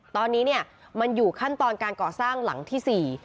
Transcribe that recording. ตอนนี้เนี่ยมันอยู่ขั้นตอนการก่อสร้างหลังที่๔